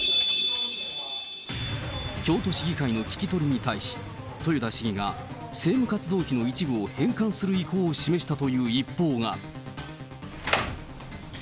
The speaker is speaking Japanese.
京都市議会の聞き取りに対し、豊田市議が政務活動費の一部を返還する意向を示したという一報が。